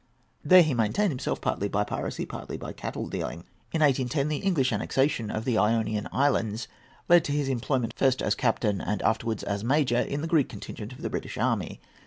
There he maintained himself, partly by piracy, partly by cattle dealing. In 1810 the English annexation of the Ionian Islands led to his employment, first as captain and afterwards as major, in the Greek contingent of the British army.